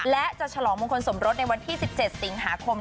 และจะฉลองมงคลสมรสในวันที่๑๗สิงหาคม